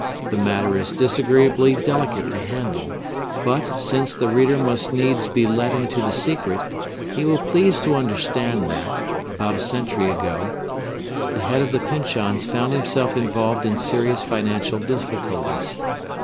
The matter is disagreeably delicate to handle; but, since the reader must needs be let into the secret, he will please to understand, that, about a century ago, the head of the Pyncheons found himself involved in serious financial difficulties.